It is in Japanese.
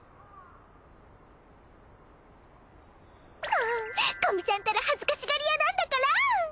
もう古見さんったら恥ずかしがりやなんだから！